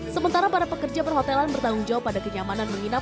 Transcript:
sementara para pekerja perhotelan bertanggung jawab pada kenyamanan menginap